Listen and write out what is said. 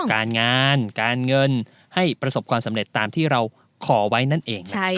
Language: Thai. การงานการเงินให้ประสบความสำเร็จตามที่เราขอไว้นั่นเอง